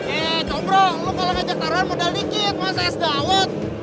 eh cobro lo kalau ngajak taruhan modal dikit masa es dawan